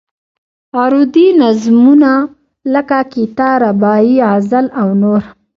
عروضي نظمونه لکه قطعه، رباعي، غزل او نور.